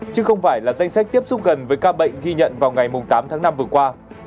chứ không phải là danh sách tiếp xúc gần với ca bệnh ghi nhận vào ngày tám tháng năm vừa qua